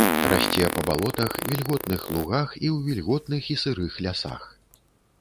Расце па балотах, вільготных лугах і ў вільготных і сырых лясах.